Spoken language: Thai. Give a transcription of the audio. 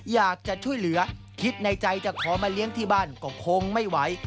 อยากจะช่วยเหลือคิดในใจจะขอมาเลี้ยงที่บ้านก็คงไม่ไหว